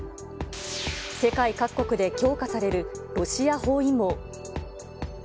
世界各国で強化されるロシア包囲網。